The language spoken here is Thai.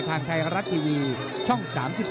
ทางไทยรัฐทีวีช่อง๓๒